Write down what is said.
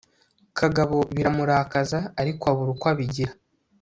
kagabo, biramurakaza, ariko abura uko abigira